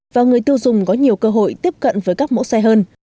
và người tiêu dùng có nhiều cơ hội tiếp cận với các mẫu xe hơn